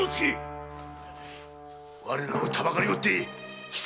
我らをたばかりおって貴様